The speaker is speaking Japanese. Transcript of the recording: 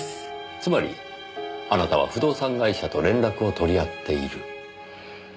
つまりあなたは不動産会社と連絡を取り合っている。